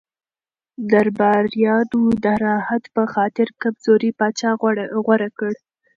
درباریانو د راحت په خاطر کمزوری پاچا غوره کړ.